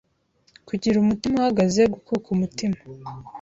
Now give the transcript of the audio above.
Kugira umutima uhagaze, gukuka umutima,